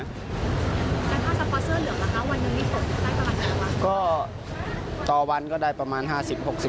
ใช้ค่าสะพอดเสื้อเหลืองเหรอคะวันหนึ่งได้ประมาณกันหรือเปล่า